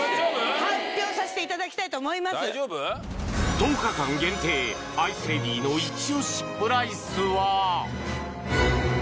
１０日間限定アイスレディのイチ押しプライスは？